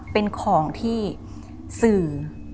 เป็นของที่สื่อ